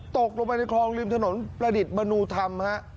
ตกลงไปในคลองริมถนนประดิษฐ์มนุธรรมฮะ